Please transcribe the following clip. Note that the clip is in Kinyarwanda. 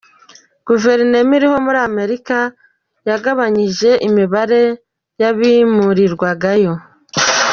Guverinoma iriho muri Amerika yagabanyije imibare y’abimurirwagayo”.